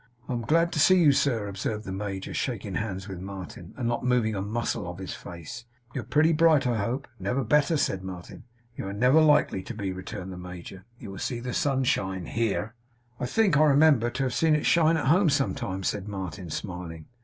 'I am glad to see you, sir,' observed the major, shaking hands with Martin, and not moving a muscle of his face. 'You are pretty bright, I hope?' 'Never better,' said Martin. 'You are never likely to be,' returned the major. 'You will see the sun shine HERE.' 'I think I remember to have seen it shine at home sometimes,' said Martin, smiling.